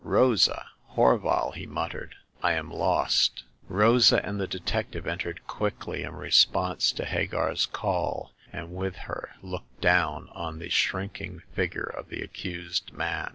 " Rosa ! Horval !'* he muttered. " I am lost !" Rosa and the detective entered quickly in response to Hagar*s call, and with her looked down on the shrinking figure of the accused man.